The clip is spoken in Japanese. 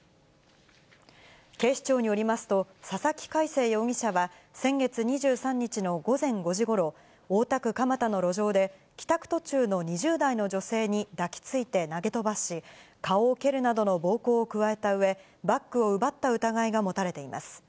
警視庁によりますと、佐々木海青容疑者は先月２３日の午前５時ごろ、大田区蒲田の路上で帰宅途中の２０代の女性に抱きついて投げ飛ばし、顔を蹴るなどの暴行を加えたうえ、バッグを奪った疑いが持たれています。